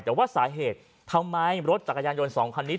แต่ว่าสาเหตุทำไมรถจักรยานยนต์สองคันนี้